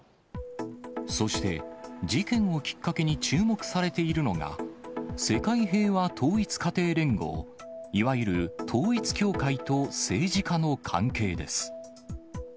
そして、事件をきっかけに注目されているのが、世界平和統一家庭連合、いわゆる統一教会と政治家の関係です。